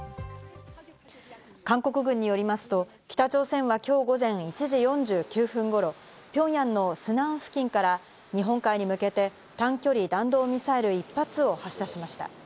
韓国軍によりますと、北朝鮮は今日午前１時４９分頃、ピョンヤンのスナン付近から日本海に向けて短距離弾道ミサイル１発を発射しました。